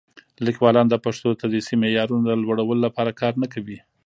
لیکوالان د پښتو د تدریسي معیارونو د لوړولو لپاره کار نه کوي.